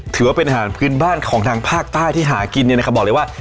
ถือว่าเป็นอาหารพื้นบ้านของทางภาคใต้ที่หากินเนี่ยนะครับบอกเลยว่า